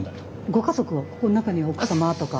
ご家族はここの中には奥様とか。